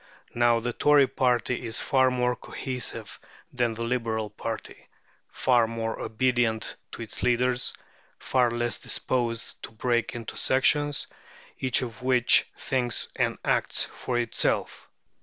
Now, the Tory party is far more cohesive than the Liberal party, far more obedient to its leaders, far less disposed to break into sections, each of which thinks and acts for itself.